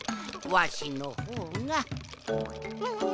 わしのほうがん